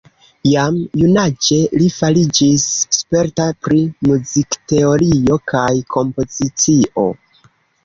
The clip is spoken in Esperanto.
Jam junaĝe li fariĝis sperta pri muzikteorio kaj kompozicio.